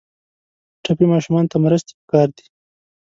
ټپي ماشومانو ته مرستې پکار دي.